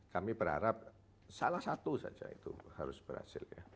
kami berharap salah satu saja itu harus berhasil ya